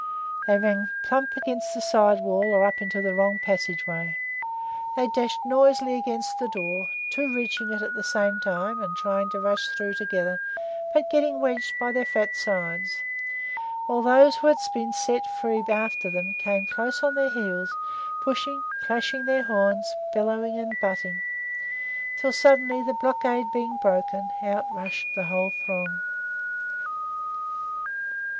They ran plump against the side wall or up into the wrong passageway. They dashed noisily against the door, two reaching it at the same time and trying to rush through together but getting wedged by their fat sides; while those who had been set free after them came close on their heels, pushing, clashing their horns, butting and bellowing, until suddenly, the blockade being broken, out rushed the whole throng.